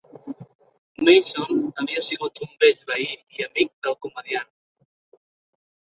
Mason havia sigut un vell veí i amic del comediant.